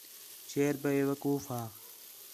شیر بیوقوف ہا